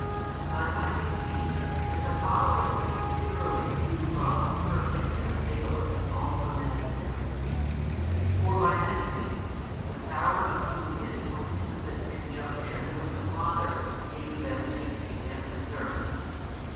But I maintain that the following Him purely through love perfect and unfailing is also necessary. For by this means, the power of union or intimate conjunction with the Father may be best maintained and preserved.